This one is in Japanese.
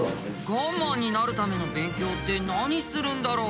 ガンマンになるための勉強って何するんだろう？